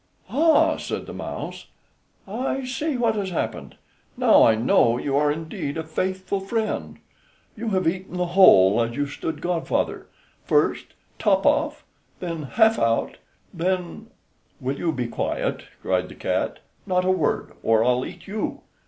"Ah," said the mouse, "I see what has happened; now I know you are indeed a faithful friend. You have eaten the whole as you stood godfather; first Top off, then Half out, then " "Will you be quiet?" cried the cat. "Not a word, or I'll eat you."